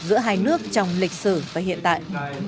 giữa hai nước trong lịch sử và hiện tại